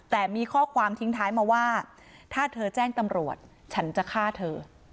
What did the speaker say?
แต่มีข้อความทิ้งท้ายมาว่าถ้าเธอแจ้งตำรวจฉันจะฆ่าเธอ